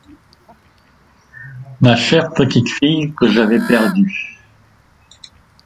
Ma chère petite fille que j'avais perdue!